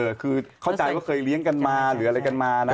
คือเข้าใจว่าเคยเลี้ยงกันมาหรืออะไรกันมานะ